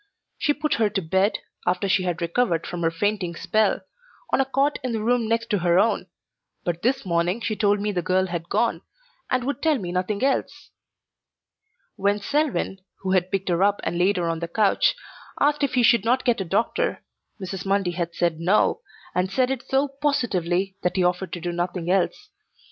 She put her to bed, after she had recovered from her fainting spell, on a cot in the room next to her own, but this morning she told me the girl had gone, and would tell me nothing else. When Selwyn, who had picked her up and laid her on the couch, asked if he should not get a doctor, Mrs. Mundy had said no, and said it so positively that he offered to do nothing else.